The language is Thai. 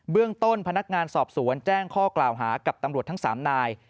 เรื่องต้นพนักงานสอบสวนแจ้งข้อกล่าวหากับตำรวจทั้ง๓นาย